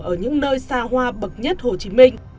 ở những nơi xa hoa bậc nhất hồ chí minh